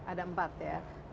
ada empat ya